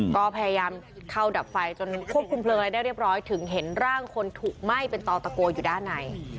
ก็พยายามเข้าดับไฟจนควบคุมเพลิงอะไรได้เรียบร้อยถึงเห็นร่างคนถูกไหม้เป็นตอตะโกอยู่ด้านใน